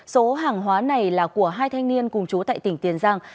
số hàng hóa này là của hai thanh niên cùng chú tại tỉnh tiền giang